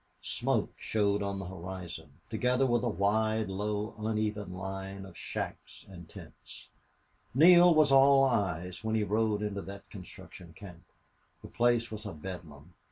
Smoke showed on the horizon, together with a wide, low, uneven line of shacks and tents. Neale was all eyes when he rode into that construction camp. The place was a bedlam.